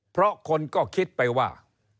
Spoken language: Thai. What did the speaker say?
เพราะคนก็คิดไปว่า